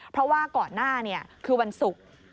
เพราะว่าก่อนหน้าคือวันศุกร์